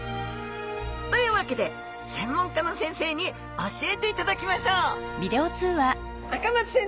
というわけで専門家の先生に教えていただきましょう赤松先生！